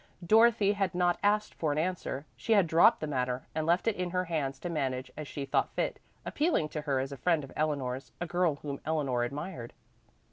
Dorothy had not asked for an answer; she had dropped the matter, had left it in her hands to manage as she thought fit, appealing to her as a friend of Eleanor's, a girl whom Eleanor admired.